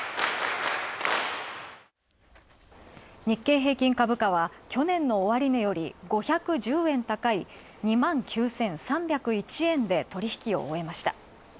日経平均株価は去年の終値より５１０円高い、２万９３０１円で取引を終えました。